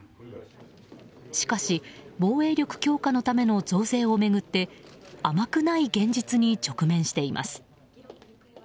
しかし防衛力強化のための増税を巡って甘くない現実に直面しています。